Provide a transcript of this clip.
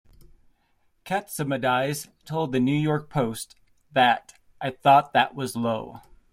Catsimatidis told the "New York Post" that "I thought that was low.